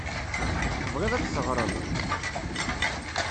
Tebɣiḍ ad d-teɣreḍ?